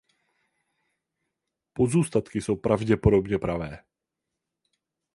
Pozůstatky jsou pravděpodobně pravé.